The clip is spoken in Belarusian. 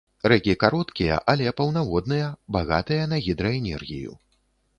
Рэкі кароткія, але паўнаводныя, багатыя на гідраэнергію.